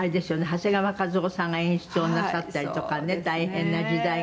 「長谷川一夫さんが演出をなさったりとかね大変な時代がありましたよね」